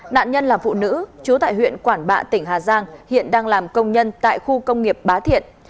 nạn nhân là phụ nữ chú tại huyện quản bạ tỉnh hà giang hiện đang làm công nhân tại khu công nghiệp bá thiện